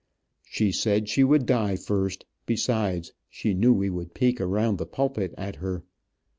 She said she would die first, besides, she knew we would peek around the pulpit at her.